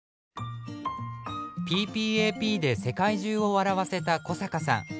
「ＰＰＡＰ」で世界中を笑わせた古坂さん。